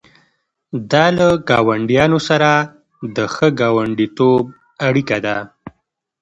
دا له ګاونډیانو سره د ښه ګاونډیتوب اړیکه ده.